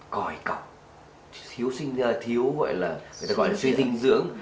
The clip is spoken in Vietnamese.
còi cọc thiếu suy dinh dưỡng